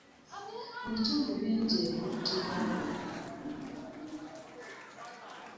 Mu bitundu bingi ebyo tubaayo.